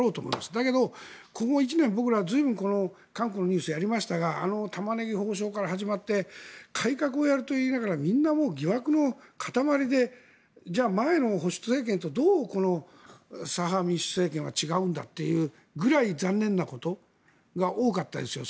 だけど、ここ１年僕ら随分韓国のニュースをやりましたがあのタマネギ法相から始まって改革をやるといいながらみんな疑惑の塊でじゃあ前の保守政権とどう、左派民主政権は違うのかという残念なことが多かったですよ。